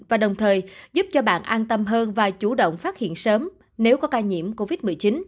và đồng thời giúp cho bạn an tâm hơn và chủ động phát hiện sớm nếu có ca nhiễm covid một mươi chín